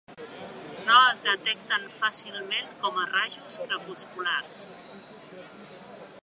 No es detecten fàcilment com a rajos crepusculars.